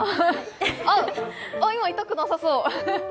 あ、今、痛くなさそう。